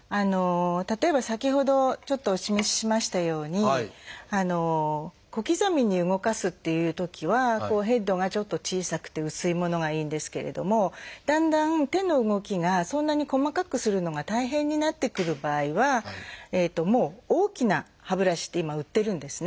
例えば先ほどちょっとお示ししましたように小刻みに動かすっていうときはヘッドがちょっと小さくて薄いものがいいんですけれどもだんだん手の動きがそんなに細かくするのが大変になってくる場合は大きな歯ブラシって今売ってるんですね。